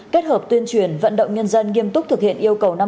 kết hợp tuyên truyền vận động nhân dân nghiêm túc thực hiện yêu cầu năm k